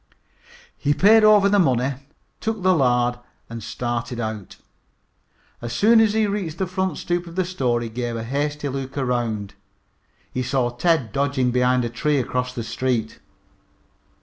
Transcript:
He paid over the money, took the lard and started out. As soon as he reached the front stoop of the store he gave a hasty look around. He saw Ted dodging behind a tree across the street.